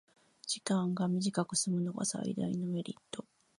時間が短くすむのが最大のメリット